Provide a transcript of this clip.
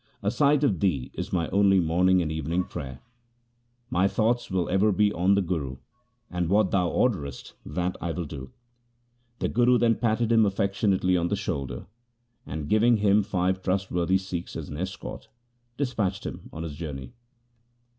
A sight of thee is my only morning and evening prayer ; my thoughts will be ever on the Guru, and what thou orderest that will I do.' The Guru then patted him affectionately on the shoulder, and, giving him five trustworthy Sikhs as an escort, dispatched him on his journey.